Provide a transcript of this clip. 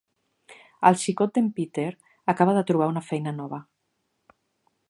El xicot d'en Peter acaba de trobar una feina nova.